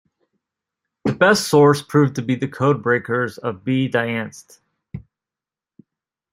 The best source proved to be the codebreakers of "B-Dienst".